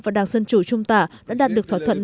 và đảng dân chủ trung tả đã đạt được thỏa thuận